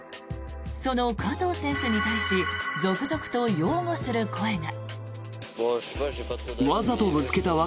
その加藤選手に対し続々と擁護する声が。